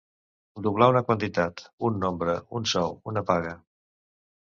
Doblar una quantitat, un nombre, un sou, una paga.